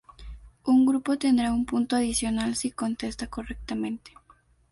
Un grupo tendrá un punto adicional si contesta correctamente.